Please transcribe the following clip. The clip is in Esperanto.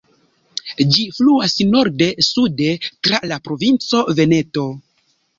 Ĝi fluas norde-sude tra la provinco Veneto.